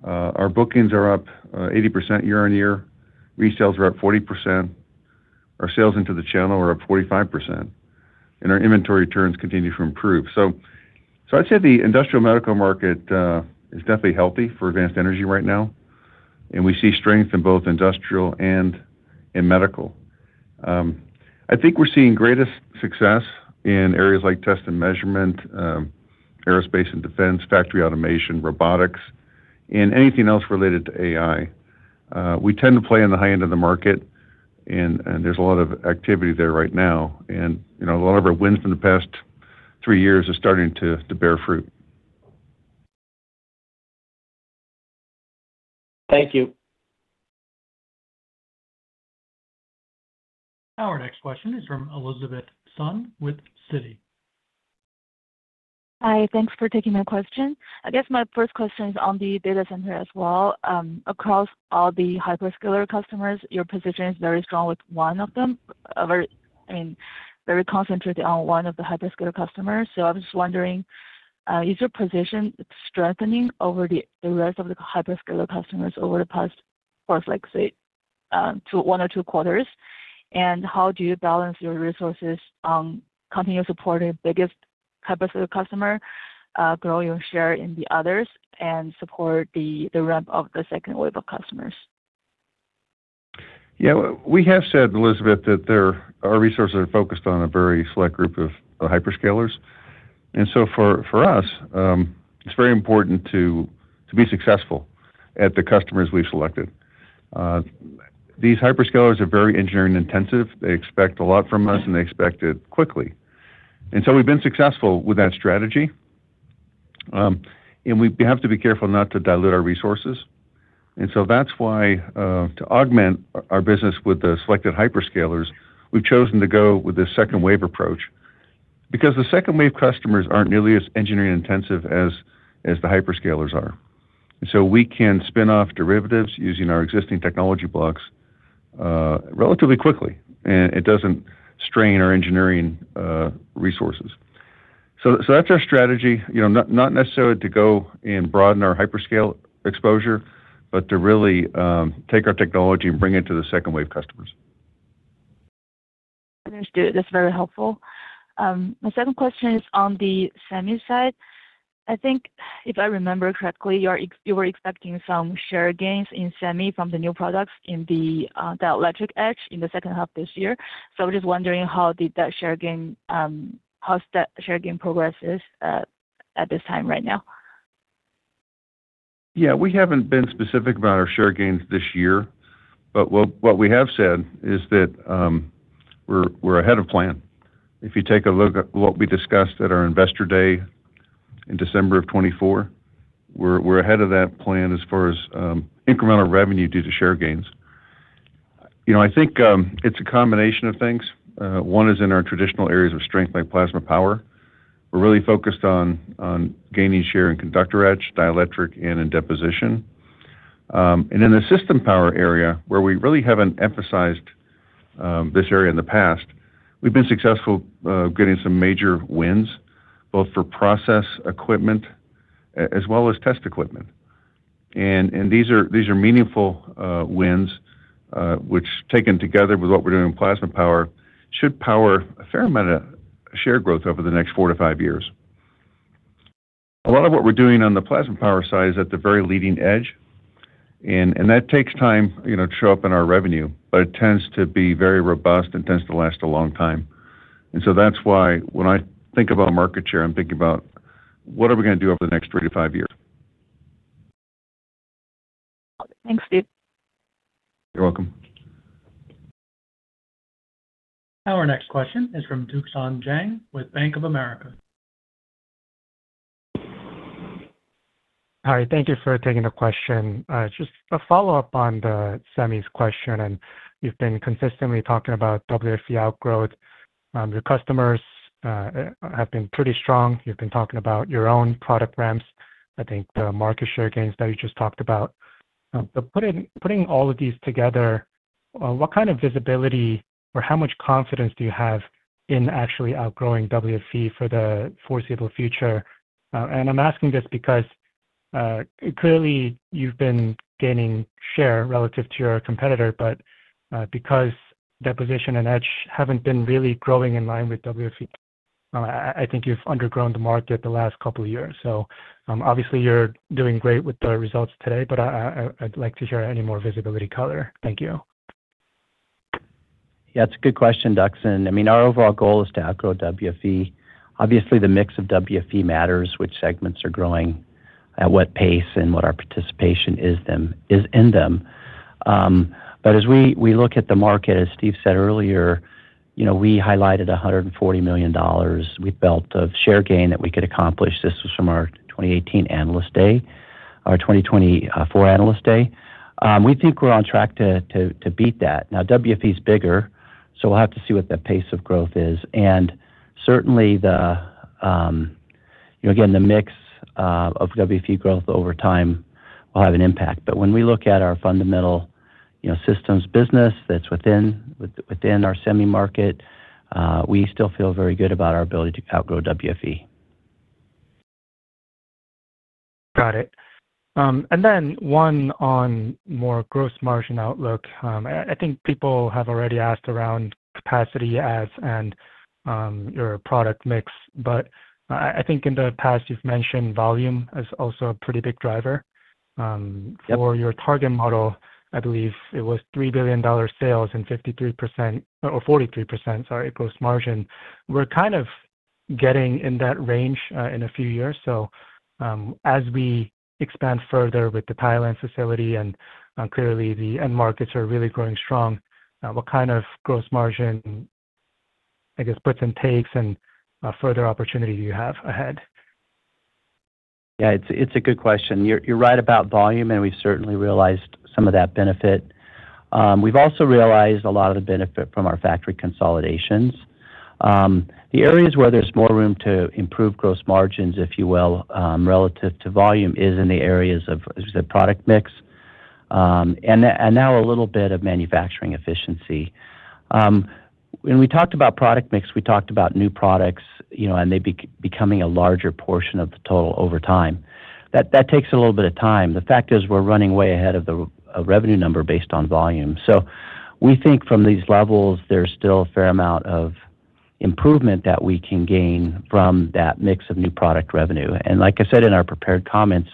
Speaker 3: our bookings are up 80% year-over-year, resales are up 40%, our sales into the channel are up 45%, our inventory turns continue to improve. I'd say the industrial medical market is definitely healthy for Advanced Energy right now, and we see strength in both industrial and in medical. I think we're seeing greatest success in areas like test and measurement, aerospace and defense, factory automation, robotics, and anything else related to AI. We tend to play in the high end of the market, and there's a lot of activity there right now. A lot of our wins from the past three years are starting to bear fruit.
Speaker 12: Thank you.
Speaker 1: Our next question is from Elizabeth Sun with Citi.
Speaker 13: Hi, thanks for taking my question. I guess my first question is on the data center as well. Across all the hyperscaler customers, your position is very strong with one of them. I mean, very concentrated on one of the hyperscaler customers. I was just wondering, is your position strengthening over the rest of the hyperscaler customers over the past, say, one or two quarters? How do you balance your resources on continuing to support your biggest hyperscaler customer, grow your share in the others, and support the ramp of the second wave of customers?
Speaker 3: Yeah. We have said, Elizabeth, that our resources are focused on a very select group of hyperscalers. For us, it's very important to be successful at the customers we've selected. These hyperscalers are very engineering intensive. They expect a lot from us, and they expect it quickly. We've been successful with that strategy, and we have to be careful not to dilute our resources. That's why to augment our business with the selected hyperscalers, we've chosen to go with the second wave approach, because the second wave customers aren't nearly as engineering intensive as the hyperscalers are. We can spin off derivatives using our existing technology blocks relatively quickly, and it doesn't strain our engineering resources. That's our strategy, not necessarily to go and broaden our hyperscale exposure, but to really take our technology and bring it to the second wave customers.
Speaker 13: Understood. That's very helpful. My second question is on the semi side. I think if I remember correctly, you were expecting some share gains in semi from the new products in the dielectric etch in the second half this year. I'm just wondering how that share gain progress is at this time right now?
Speaker 3: Yeah. We haven't been specific about our share gains this year, but what we have said is that we're ahead of plan. If you take a look at what we discussed at our Investor Day in December of 2024, we're ahead of that plan as far as incremental revenue due to share gains. I think it's a combination of things. One is in our traditional areas of strength, like plasma power. We're really focused on gaining share in conductor etch, dielectric, and in deposition. In the system power area, where we really haven't emphasized this area in the past, we've been successful getting some major wins, both for process equipment as well as test equipment. These are meaningful wins, which, taken together with what we're doing in plasma power, should power a fair amount of share growth over the next four to five years. A lot of what we're doing on the plasma power side is at the very leading edge, and that takes time to show up in our revenue, but it tends to be very robust and tends to last a long time. That's why when I think about market share, I'm thinking about what are we going to do over the next three to five years.
Speaker 13: Thanks, Steve.
Speaker 3: You're welcome.
Speaker 1: Our next question is from Duksan Jang with Bank of America.
Speaker 14: Hi, thank you for taking the question. Just a follow-up on the semis question, you've been consistently talking about WFE outgrowth. Your customers have been pretty strong. You've been talking about your own product ramps, I think the market share gains that you just talked about. Putting all of these together, what kind of visibility or how much confidence do you have in actually outgrowing WFE for the foreseeable future? I'm asking this because, clearly, you've been gaining share relative to your competitor, but because deposition and etch haven't been really growing in line with WFE, I think you've undergrown the market the last couple of years. Obviously you're doing great with the results today, but I'd like to hear any more visibility color. Thank you.
Speaker 4: Yeah, it's a good question, Duksan. Our overall goal is to outgrow WFE. Obviously, the mix of WFE matters, which segments are growing at what pace, and what our participation is in them. As we look at the market, as Steve said earlier, we highlighted $140 million we felt of share gain that we could accomplish. This was from our 2018 Analyst Day, our 2024 Analyst Day. We think we're on track to beat that. Now WFE's bigger, so we'll have to see what the pace of growth is. Certainly, again, the mix of WFE growth over time will have an impact. When we look at our fundamental systems business that's within our semi market, we still feel very good about our ability to outgrow WFE.
Speaker 14: Got it. One on more gross margin outlook. I think people have already asked around capacity and your product mix, but I think in the past you've mentioned volume as also a pretty big driver.
Speaker 4: Yep.
Speaker 14: For your target model, I believe it was $3 billion sales and 53%, or 43%, sorry, gross margin. We're kind of getting in that range in a few years. As we expand further with the Thailand facility, and clearly the end markets are really growing strong, what kind of gross margin, I guess, puts and takes, and further opportunity do you have ahead?
Speaker 4: Yeah, it's a good question. You're right about volume, and we've certainly realized some of that benefit. We've also realized a lot of the benefit from our factory consolidations. The areas where there's more room to improve gross margins, if you will, relative to volume, is in the areas of the product mix, and now a little bit of manufacturing efficiency. When we talked about product mix, we talked about new products, and they becoming a larger portion of the total over time. That takes a little bit of time. The fact is we're running way ahead of the revenue number based on volume. We think from these levels, there's still a fair amount of improvement that we can gain from that mix of new product revenue. Like I said in our prepared comments,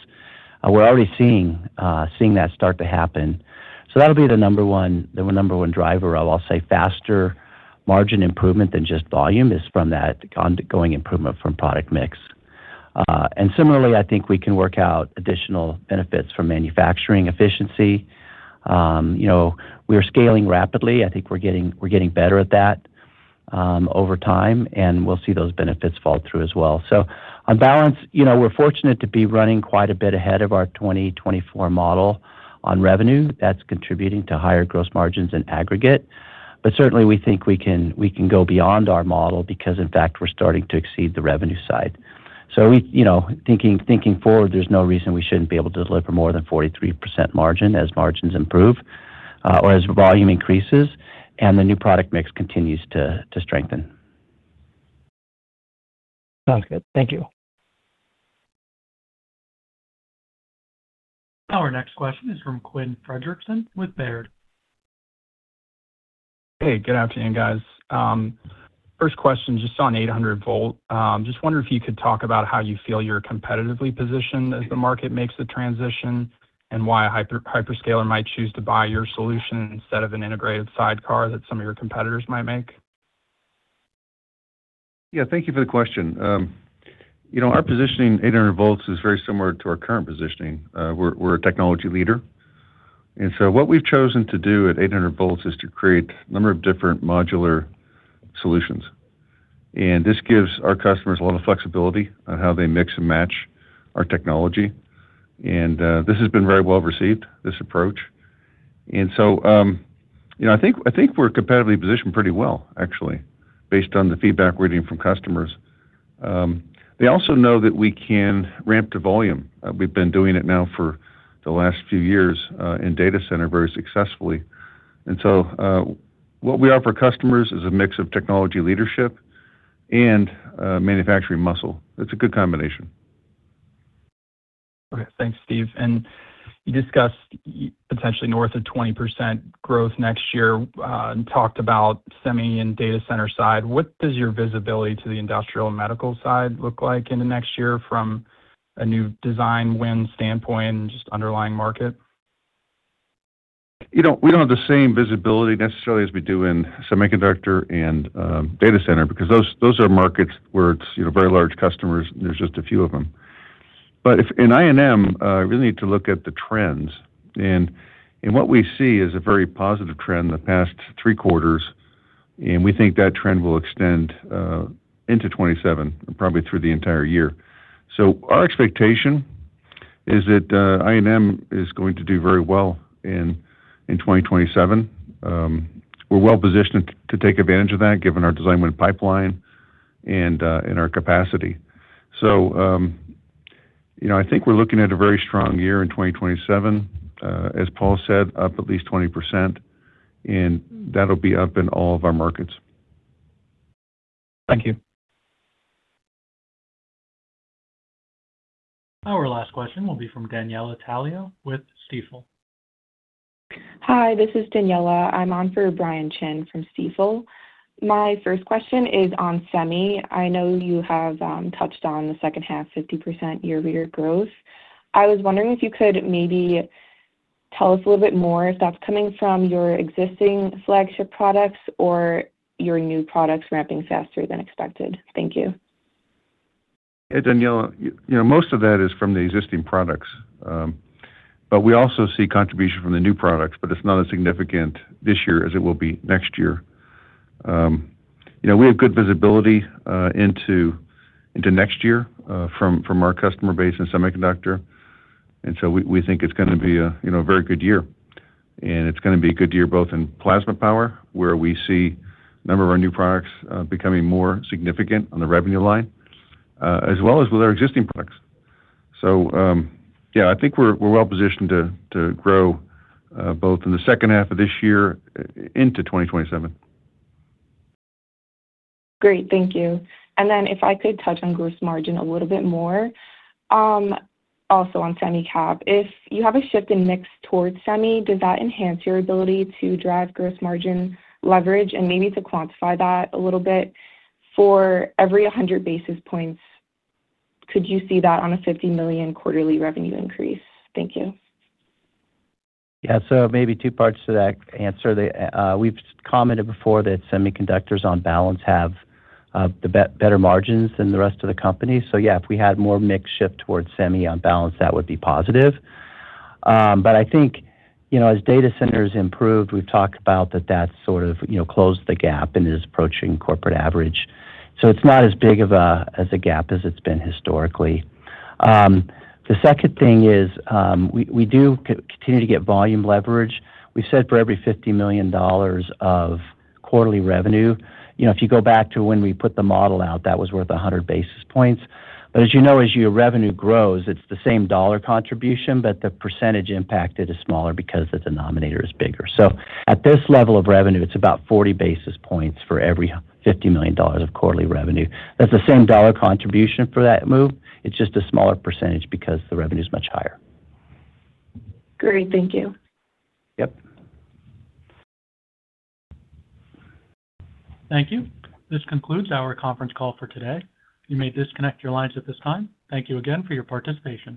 Speaker 4: we're already seeing that start to happen. That'll be the number one driver I'll say, faster margin improvement than just volume is from that ongoing improvement from product mix. Similarly, I think we can work out additional benefits for manufacturing efficiency. We're scaling rapidly. I think we're getting better at that over time, and we'll see those benefits fall through as well. On balance, we're fortunate to be running quite a bit ahead of our 2024 model on revenue. That's contributing to higher gross margins in aggregate. Certainly, we think we can go beyond our model because, in fact, we're starting to exceed the revenue side. Thinking forward, there's no reason we shouldn't be able to deliver more than 43% margin as margins improve, or as volume increases and the new product mix continues to strengthen.
Speaker 14: Sounds good. Thank you.
Speaker 1: Our next question is from Quinn Fredrickson with Baird.
Speaker 15: Hey, good afternoon, guys. First question, just on 800 V. Just wonder if you could talk about how you feel you're competitively positioned as the market makes the transition, and why a hyperscaler might choose to buy your solution instead of an integrated sidecar that some of your competitors might make.
Speaker 3: Yeah, thank you for the question. Our positioning, 800 V, is very similar to our current positioning. We're a technology leader. What we've chosen to do at 800 V is to create a number of different modular solutions. This gives our customers a lot of flexibility on how they mix and match our technology. This has been very well-received, this approach. I think we're competitively positioned pretty well, actually, based on the feedback we're getting from customers. They also know that we can ramp to volume. We've been doing it now for the last few years in data center very successfully. What we offer customers is a mix of technology leadership and manufacturing muscle. It's a good combination.
Speaker 15: Okay, thanks, Steve. You discussed potentially north of 20% growth next year, and talked about semi and data center side. What does your visibility to the Industrial and Medical side look like in the next year from a new design win standpoint and just underlying market?
Speaker 3: We don't have the same visibility necessarily as we do in semiconductor and data center, because those are markets where it's very large customers and there's just a few of them. In I&M, really need to look at the trends. What we see is a very positive trend in the past three quarters, and we think that trend will extend into 2027, probably through the entire year. Our expectation is that I&M is going to do very well in 2027. We're well-positioned to take advantage of that given our design win pipeline and our capacity. I think we're looking at a very strong year in 2027. As Paul said, up at least 20%, and that'll be up in all of our markets.
Speaker 15: Thank you.
Speaker 1: Our last question will be from Daniela Talio with Stifel.
Speaker 16: Hi, this is Daniela. I am on for Brian Chin from Stifel. My first question is on semi. I know you have touched on the second half, 50% year-over-year growth. I was wondering if you could maybe tell us a little bit more if that is coming from your existing flagship products or your new products ramping faster than expected. Thank you.
Speaker 3: Yeah, Daniela. Most of that is from the existing products, but we also see contribution from the new products, but it is not as significant this year as it will be next year. We have good visibility into next year from our customer base in semiconductor. We think it is going to be a very good year. It is going to be a good year both in Plasma Power, where we see a number of our new products becoming more significant on the revenue line, as well as with our existing products. I think we are well-positioned to grow both in the second half of this year into 2027.
Speaker 16: Great. Thank you. If I could touch on gross margin a little bit more, also on semi cap. If you have a shift in mix towards semi, does that enhance your ability to drive gross margin leverage? Maybe to quantify that a little bit, for every 100 basis points, could you see that on a $50 million quarterly revenue increase? Thank you.
Speaker 4: Maybe two parts to that answer. We've commented before that semiconductors on balance have the better margins than the rest of the company. If we had more mix shift towards semi on balance, that would be positive. I think, as data centers improved, we've talked about that that sort of closed the gap and is approaching corporate average. It's not as big as a gap as it's been historically. The second thing is, we do continue to get volume leverage. We said for every $50 million of quarterly revenue. If you go back to when we put the model out, that was worth 100 basis points. As you know, as your revenue grows, it's the same dollar contribution, but the percentage impact, it is smaller because the denominator is bigger. At this level of revenue, it's about 40 basis points for every $50 million of quarterly revenue. That's the same dollar contribution for that move. It's just a smaller percentage because the revenue's much higher.
Speaker 16: Great. Thank you.
Speaker 4: Yep.
Speaker 1: Thank you. This concludes our conference call for today. You may disconnect your lines at this time. Thank you again for your participation